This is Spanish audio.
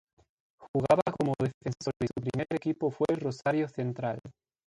Jugaba como defensor y su primer equipo fue Rosario Central.